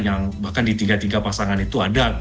yang bahkan di tiga tiga pasangan itu ada